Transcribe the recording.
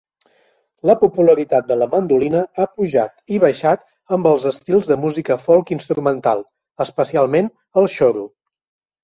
La popularitat de la mandolina ha pujat i baixat amb els estils de música folk instrumental, especialment el xoro.